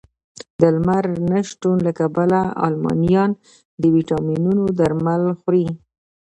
د لمر نه شتون له کبله المانیان د ویټامینونو درمل خوري